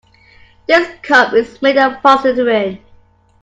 This cup is made of polystyrene.